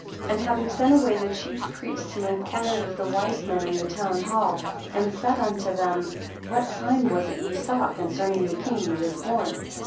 6 And having sent away the chief priests, he enquired of the wise men in the town hall, and said unto them, What sign was it ye saw concerning the king that is born?